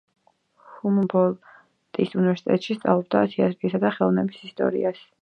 ბერლინის ჰუმბოლდტის უნივერსიტეტში სწავლობდა თეატრისა და ხელოვნების ისტორიას.